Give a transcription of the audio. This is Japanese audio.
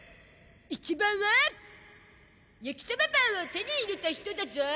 一番は焼きそばパンを手に入れた人だゾ！